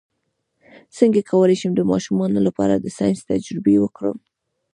څنګه کولی شم د ماشومانو لپاره د ساینس تجربې وکړم